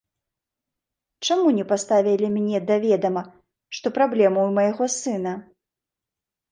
Чаму не паставілі мне да ведама, што праблемы ў майго сына?